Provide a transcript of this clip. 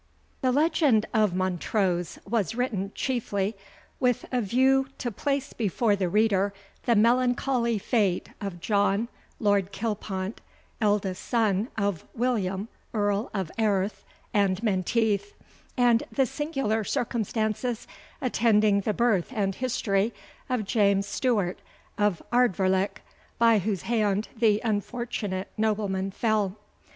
The Legend of Montrose was written chiefly with a view to place before the reader the melancholy fate of John Lord Kilpont, eldest son of William Earl of Airth and Menteith, and the singular circumstances attending the birth and history of James Stewart of Ardvoirlich, by whose hand the unfortunate nobleman fell.